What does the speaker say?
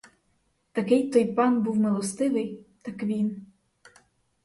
Такий той пан був милостивий, так він.